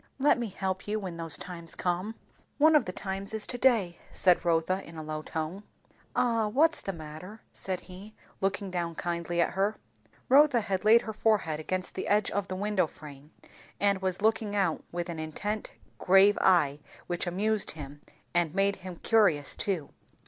"Let me help you when those times come." "One of the times is to day," said Rotha in a low tone. "Ah? What's the matter?" said he looking down kindly at her. Rotha had laid her forehead against the edge of the window frame, and was looking out with an intent grave eye which amused him, and made him curious too.